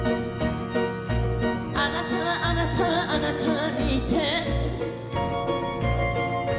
「あなたはあなたはあなたは見てる」